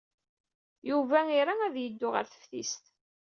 Yuba ira ad yeddu ɣer teftist.